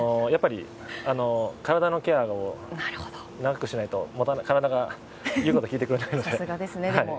体のケアを長くやらないと体が言うことを聞いてくれないので。